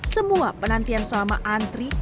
semua penantian selama antri